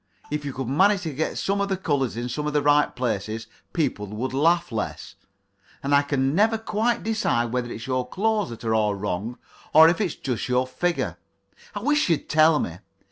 If you could manage to get some of the colours in some of the right places, people would laugh less. And I can never quite decide whether it's your clothes that are all wrong, or if it's just your figure. I wish you'd tell me.